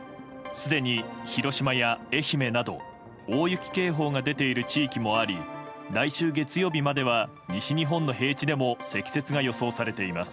すでに広島や島根など大雪警報が出ている地域もあり来週月曜日までは西日本の平地でも積雪が予想されています。